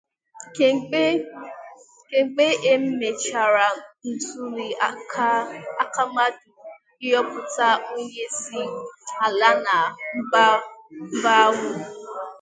Kemgbe e mechara ntụli aka maka ịhọpụta onye isi ala na mba ahụ